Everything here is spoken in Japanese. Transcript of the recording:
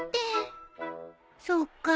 そっか。